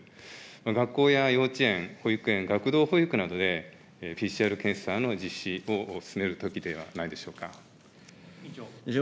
学校や幼稚園、保育園、学童保育などで、ＰＣＲ検査の実施を進めるときではないでしょうか。